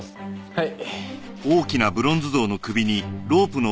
はい。